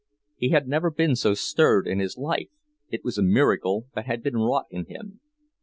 He had never been so stirred in his life—it was a miracle that had been wrought in him.